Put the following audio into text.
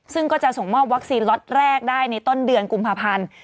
ซึ่งก็จะส่งมอบวัคซีนล็อตแรกได้ในต้นเดือนกุมภาพันธ์